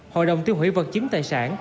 hội đồng tiêu hủy vật chứng tài sản